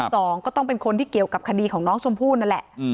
สองก็ต้องเป็นคนที่เกี่ยวกับคดีของน้องชมพู่นั่นแหละ